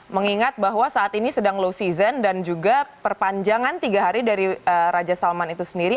mengingat bahwa saat ini sedang low season dan juga perpanjangan tiga hari dari raja salman itu sendiri